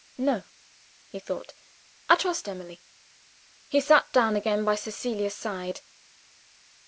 "No," he thought, "I trust Emily!" He sat down again by Cecilia's side.